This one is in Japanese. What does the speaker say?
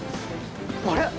あれ？